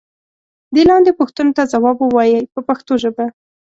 دې لاندې پوښتنو ته ځواب و وایئ په پښتو ژبه.